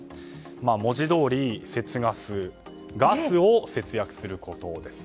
文字どおり、節ガスとはガスを節約することです。